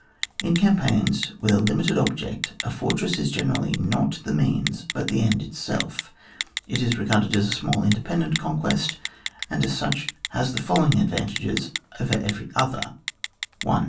In campaigns with a limited object, a fortress is generally not the means but the end itself ; it is regarded as a small independent conquest, and as such has the following advantages over every other :— 1.